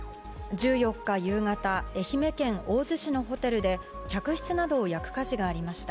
１４日夕方愛媛県大洲市のホテルで客室などを焼く火事がありました。